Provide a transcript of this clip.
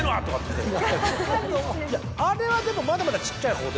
いやあれはでもまだまだちっちゃい方で。